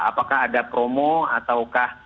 apakah ada promo ataukah